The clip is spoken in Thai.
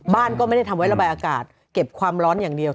บ้านก็ไม่ได้ทำไว้ระบายอากาศเก็บความร้อนอย่างเดียว